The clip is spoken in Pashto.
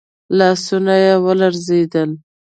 لاسونه يې ولړزېدل.